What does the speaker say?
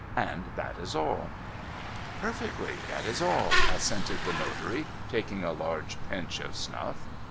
And that is all,' ' Perfectly. That is all,' assented the notary, taking a large pinch of snuff.